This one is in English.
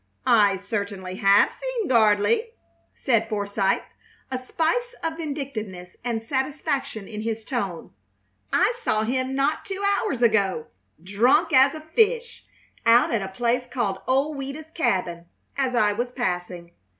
"I certainly have seen Gardley," said Forsythe, a spice of vindictiveness and satisfaction in his tone. "I saw him not two hours ago, drunk as a fish, out at a place called Old Ouida's Cabin, as I was passing.